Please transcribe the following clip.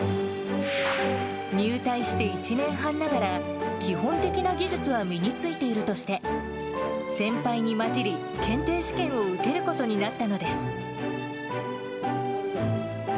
入隊して１年半ながら、基本的な技術は身についているとして、先輩に交じり、検定試験を受けることになったのです。